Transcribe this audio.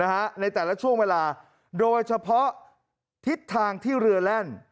ในแต่ละช่วงเวลาโดยเฉพาะทิศทางที่เรือแล่น